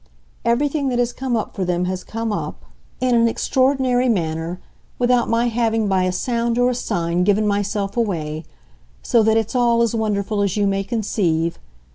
Everything that has come up for them has come up, in an extraordinary manner, without my having by a sound or a sign given myself away so that it's all as wonderful as you may conceive.